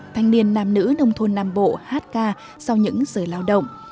thanh niên nam nữ nông thôn nam bộ hát ca sau những giờ lao động